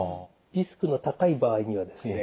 リスクの高い場合にはですね